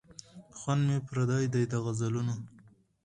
خوند مي پردی دی د غزلونو